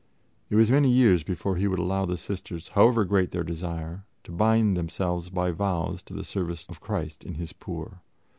It was many years before he would allow the Sisters, however great their desire, to bind themselves by vows to the service of Christ in His poor.